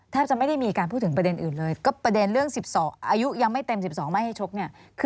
แทบจะไม่ได้มีการพูดถึงประเด็นอื่นเลยก็ประเด็นเรื่อง๑๒อายุยังไม่เต็ม๑๒ไม่ให้ชกเนี่ย